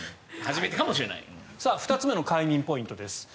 ２つ目の快眠ポイントです。